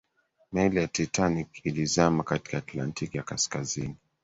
meli ya titanic ilizama katika atlantiki ya kaskazini